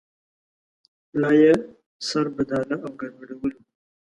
لا یې سربداله او ګډوډولو.